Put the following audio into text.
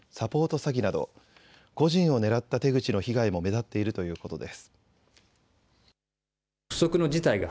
詐欺など個人を狙った手口の被害も目立っているということです。